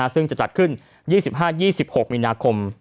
ซึ่งจะจัดขึ้น๒๕๒๖มีนาคม